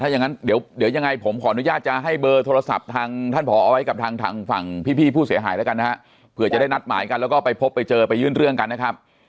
อย่างนั้นเดี๋ยวยังไงผมขออนุญาตจะให้เบอร์โทรศัพท์ทางท่านผอเอาไว้กับทางฝั่งพี่ผู้เสียหายแล้วกันนะฮะเผื่อจะได้นัดหมายกันแล้วก็ไปพบไปเจอไปยื่นเรื่องกันนะครับ